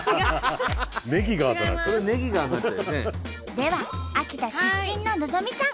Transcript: では秋田出身の希さん。